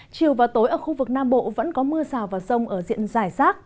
chiều và tối ở khu vực nam bộ vẫn có mưa rào và rông ở diện giải rác